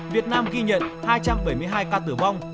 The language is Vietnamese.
việt nam ghi nhận hai trăm bảy mươi hai ca tử vong